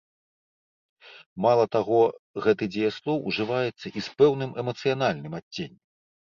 Мала таго, гэты дзеяслоў ужываецца і з пэўным эмацыянальным адценнем.